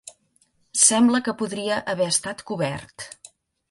Sembla que podria haver estat cobert.